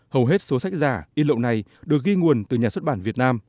hầu hết số sách giả y lộn này được ghi nguồn từ nhà xuất bản việt nam